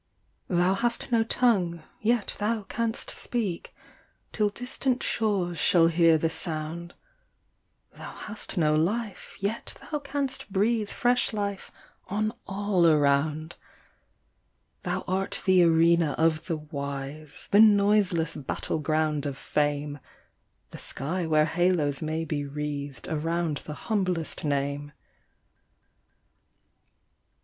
Thou hast no tongue, yet thou canst speak, Till distant shores shall hear the sound; Thou hast no life, yet thou canst breathe Fresh life on all around. Thou art the arena of the wise, The noiseless battle ground of fame; The sky where halos may be wreathed Around the humblest name.